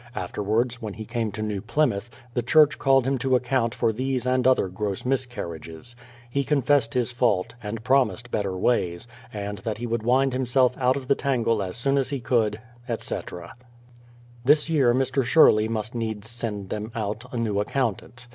Afterwards, when he came to New Plymouth, the church called him to account for these and other gross miscarriages. He confessed his fault, and promised better ways, and that he would wind himself out of the tangle as soon as he could, etc. This year Mr. Sherley must needs send them out a new accountant.